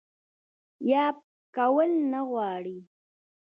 يا کول نۀ غواړي